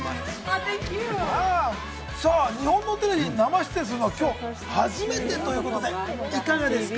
日本のテレビ、生出演するのはきょう初めてということで、いかがですか？